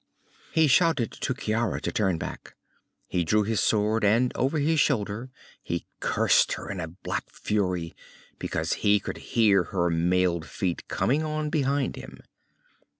He shouted to Ciara to turn back. He drew his sword and over his shoulder he cursed her in a black fury because he could hear her mailed feet coming on behind him.